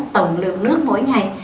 tổng lượng nước mỗi ngày